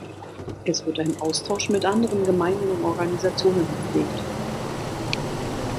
Es wird ein Austausch mit anderen Gemeinden und Organisationen gepflegt.